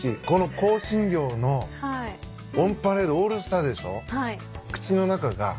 この香辛料のオンパレードオールスターでしょ。